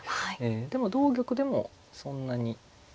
でも同玉でもそんなに。